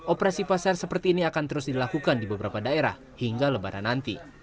operasi pasar seperti ini akan terus dilakukan di beberapa daerah hingga lebaran nanti